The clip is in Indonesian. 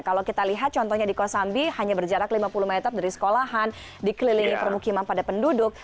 kalau kita lihat contohnya di kosambi hanya berjarak lima puluh meter dari sekolahan dikelilingi permukiman pada penduduk